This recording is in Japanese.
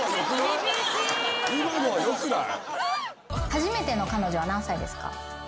初めての彼女は何歳ですか？